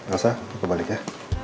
elsa aku balik ya